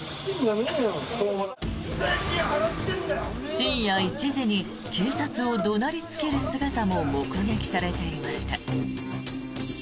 深夜１時に警察を怒鳴りつける姿も目撃されていました。